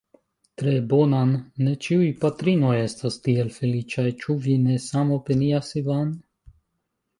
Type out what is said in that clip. Tre bonan, ne ĉiuj patrinoj estas tiel feliĉaj; ĉu vi ne samopinias Ivan?